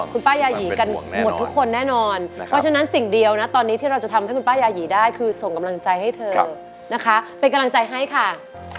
คุณป้ายาหยีกันหมดทุกคนแน่นอนเพราะฉะนั้นสิ่งเดียวนะตอนนี้ที่เราจะทำให้คุณป้ายาหีได้คือส่งกำลังใจให้เธอนะคะเป็นกำลังใจให้ค่ะ